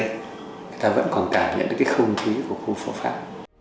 người ta vẫn còn cảm nhận được cái không khí của khu phố pháp